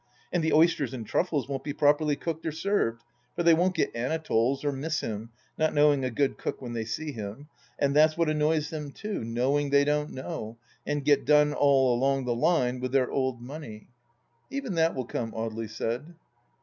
And the oysters and truffles won't be properly cooked or served, for they won't get Anatoles, or miss him, not knowing a good cook when they see him 1 And that's what annoys them too, knowing they don't know, and get done all along the line with their old money." " Even that will come," Audely said.